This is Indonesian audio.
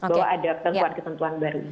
bahwa ada kesentuhan kesentuhan baru